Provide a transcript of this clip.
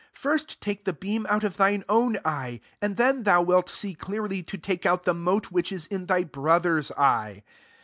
first take the beam out of thine own eye, and then thou wilt see clearly to take out the mote which is in thy bro ther's eye.